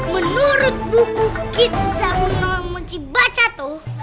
menurut buku kit zangunamuji bacato